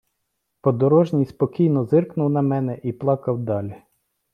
Подорожній спокійно зиркнув на мене і плакав далі.